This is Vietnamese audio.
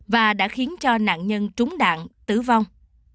và đã khiến cho nạn nhân trúng đạn tử vong